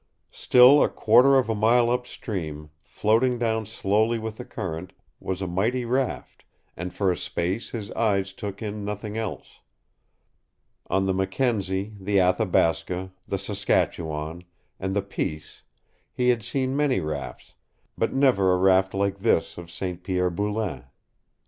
Still a quarter of a mile upstream, floating down slowly with the current, was a mighty raft, and for a space his eyes took in nothing else. On the Mackenzie, the Athabasca, the Saskatchewan, and the Peace he had seen many rafts, but never a raft like this of St. Pierre Boulain.